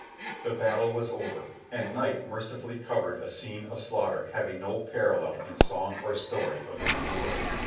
The battle was over, and night mercifully covered a scene of slaughter having no parallel in song or story of the New World.